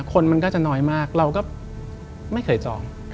คนมันก็จะน้อยมากเราก็ไม่เคยจอง